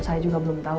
saya juga belum tahu